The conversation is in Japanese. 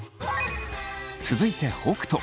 続いて北斗。